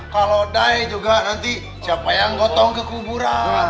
kalau mati juga nanti siapa yang gotong kekuburan